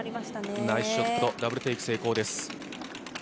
ナイスショット、ダブル・テイク成功です。